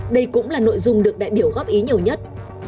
đây cũng là nội dung được đại biểu góp ý nhiều nhất